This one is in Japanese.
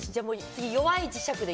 弱い磁石で。